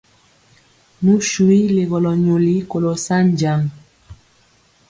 Nu swi legɔlɔ nyoli kolɔ sa jaŋ.